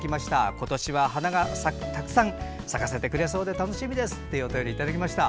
今年は、花がたくさん咲かせてくれそうで楽しみですといただきました。